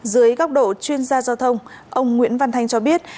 dưới góc độ chuyên gia giao thông ông nguyễn văn thanh cho biết